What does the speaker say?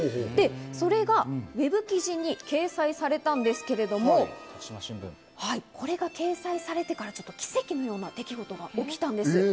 それがウェブ記事に掲載されたんですけれども、掲載されて奇跡のような事が起きたんです。